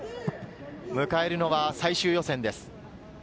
迎えるのは最終予選です。